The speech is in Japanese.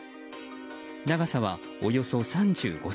長さはおよそ３５ｃｍ。